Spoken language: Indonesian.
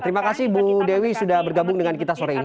terima kasih bu dewi sudah bergabung dengan kita sore ini